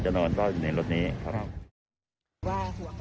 จะนอนก็อยู่ในรถนี้ครับ